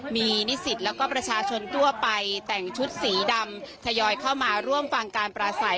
มีนิสิทธิ์และประชาชนตัวไปแต่งชุดสีดำทยอยเข้ามาร่วมฟังการปลาใส